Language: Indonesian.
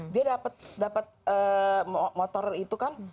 dia dapat motor itu kan